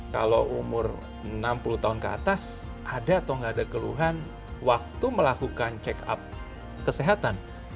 kalau umur enam puluh tahun ke atas ada atau nggak ada keluhan waktu melakukan check up kesehatan